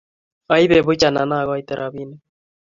"Oibe buuch, anan ogaiti robinik?"